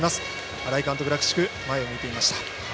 新井監督らしく前を見ていました。